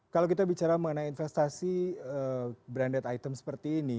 kalau kita bicara mengenai investasi branded item seperti ini